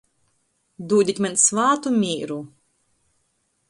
Dūdit maņ svātu mīru.